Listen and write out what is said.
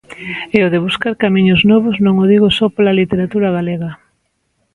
E o de buscar camiños novos non o digo só pola literatura galega.